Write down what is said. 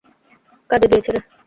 কাজে দিয়েছে রে!